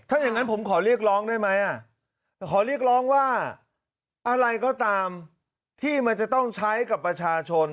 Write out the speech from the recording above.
ถ้าอย่างนั้นผมขอเรียกร้องได้ไหมขอเรียกร้องว่าอะไรก็ตามที่มันจะต้องใช้กับประชาชน